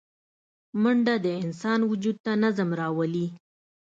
منډه د انسان وجود ته نظم راولي